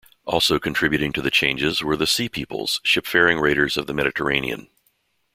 Also contributing to the changes were the Sea Peoples, ship-faring raiders of the Mediterranean.